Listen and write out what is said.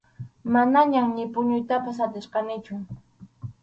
Manañam ni puñuytapas atirqanichu.